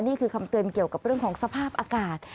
นี่คือคำเตือนเกี่ยวกับเรื่องของสภาพอากาศ